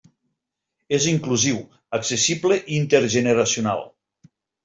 És inclusiu, accessible i intergeneracional.